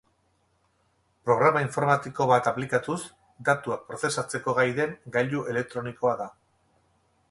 Programa informatiko bat aplikatuz datuak prozesatzeko gai den gailu elektronikoa da.